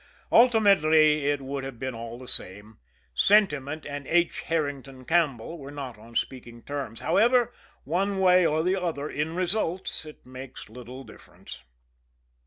Ultimately it would have been all the same. Sentiment and H. Herrington Campbell were not on speaking terms. However, one way or the other, in results, it makes little difference.